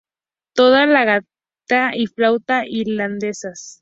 Toca la gaita y flauta irlandesas.